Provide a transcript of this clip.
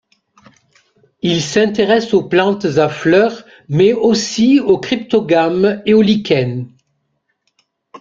Il s'intéresse aux plantes à fleurs mais aussi aux cryptogames et aux lichens.